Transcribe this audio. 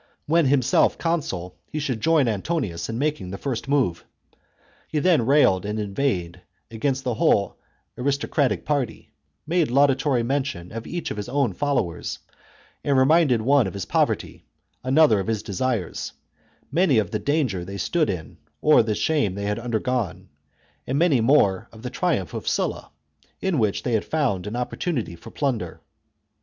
When himself consul he should join Antonius in making the first move. He then railed and inveighed against the whole aristo cratic party ; made laudatory mention of each of his own followers ; and reminded one of his poverty, another of his desires, many of the danger they stood in or the shame they had undergone, and many more of the triumph of Sulla, in which they had found an opportunity for plunder.